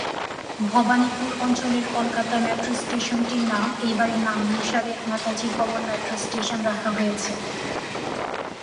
ভবানীপুর অঞ্চলের কলকাতা মেট্রো স্টেশনটির নাম এই বাড়ির নামানুসারে "নেতাজি ভবন মেট্রো স্টেশন" রাখা হয়েছে।